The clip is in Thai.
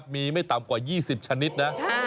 มีไม่ต่ำกว่า๒๐ชนิดนะ